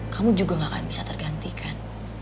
kamu juga gak akan bisa tergantikan